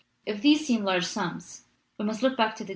If these seem large sums, we must look back to the.